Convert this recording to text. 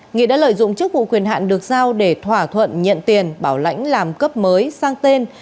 nghị đã lợi dụng chức vụ quyền hạn được giao để thỏa thuận nhận tiền bảo lãnh làm cấp mới sang tên